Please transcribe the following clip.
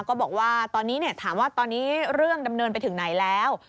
ก็บอกว่าตอนนี้ถามว่าตอนนี้เรื่องดำเนินไปถึงไหนแล้ว